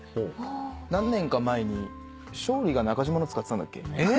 何年か前に勝利が中島の使ってたんだっけ？